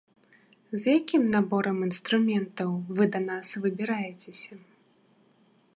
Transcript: З якім наборам інструментаў вы да нас выбіраецеся?